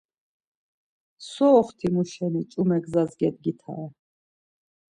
So oxtimu şeni ç̌ume gzas gedgitare?